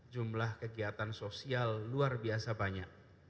jumlah kegiatan sosial luar biasa banyak